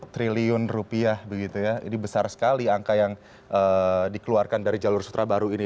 satu triliun rupiah begitu ya ini besar sekali angka yang dikeluarkan dari jalur sutra baru ini